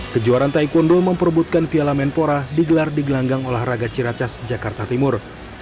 kejuaraan taekwondo memperbutkan piala menpora digelar di gelanggang olahraga ciracas jakarta timur